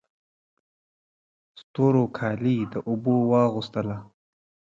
ستورو کالي د اوبو واغوستله